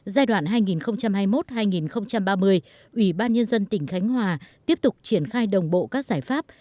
giai đoạn hai nghìn hai mươi một hai nghìn ba mươi ủy ban nhân dân tỉnh khánh hòa tiếp tục triển khai đồng bộ các giải pháp